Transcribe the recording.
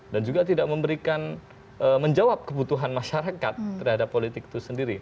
dan juga tidak memberikan menjawab kebutuhan masyarakat terhadap politik itu sendiri